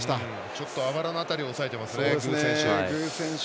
ちょっと、あばらの辺り押さえていますね、具選手。